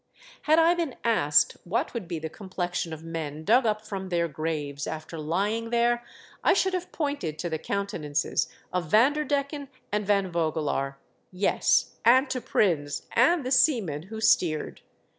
Had I been asked what would be the complexion of men dug up from their graves after lying there, I should have pointed to the counten ances of Vanderdecken and Van Voofelaar — yes, and to Prins and the seaman who steered.